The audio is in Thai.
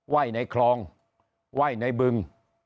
ว่ายในคลองว่ายในบึง